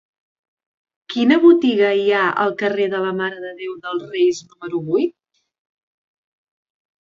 Quina botiga hi ha al carrer de la Mare de Déu dels Reis número vuit?